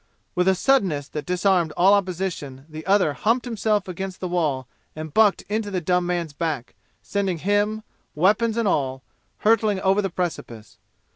With a suddenness that disarmed all opposition the other humped himself against the wall and bucked into the dumb man's back, sending him, weapons and all, hurtling over the precipice.